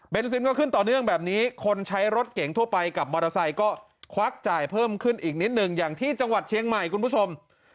เป็นซิมก็ขึ้นต่อเนื่องแบบนี้คนใช้รถเก่งทั่วไปกับมอเตอร์ไซค์ก็ควักจ่ายเพิ่มขึ้นอีกนิดหนึ่งอย่างที่จังหวัดเชียงใหม่คุณผู้ชม